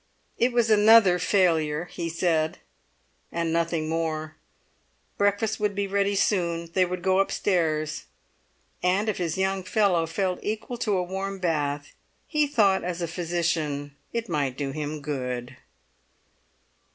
It was another failure, he said, and nothing more. Breakfast would be ready soon; they would go upstairs; and if his young fellow felt equal to a warm bath, he thought as a physician it might do him good.